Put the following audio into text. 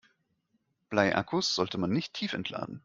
Bleiakkus sollte man nicht tiefentladen.